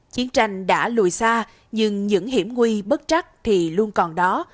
chiến tranh đã lùi xa nhưng những hiểm nguy bất trắc thì luôn còn đó